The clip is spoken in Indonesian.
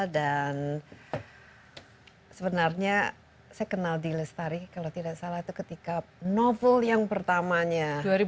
dan sebenarnya saya kenal di lestari kalau tidak salah ketika novel yang pertamanya